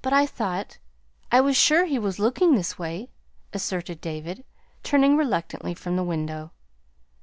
"But I thought I was sure he was looking this way," asserted David, turning reluctantly from the window.